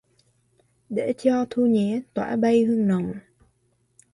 Để cho Thu nhé tỏa bay hương nồng